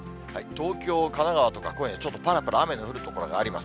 東京、神奈川とか今夜ちょっと、ぱらぱらと雨の降る所があります。